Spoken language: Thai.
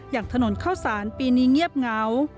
อย่างถนนเข้าสารปีนี้เงียบเหงา